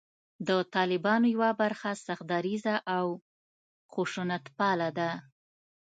د طالبانو یوه برخه سخت دریځه او خشونتپاله ده